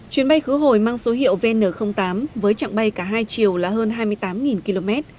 chuyến bay khứ hồi mang số hiệu vn tám với chặng bay cả hai chiều là hơn hai mươi tám km